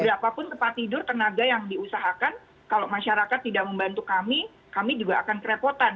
berapapun tempat tidur tenaga yang diusahakan kalau masyarakat tidak membantu kami kami juga akan kerepotan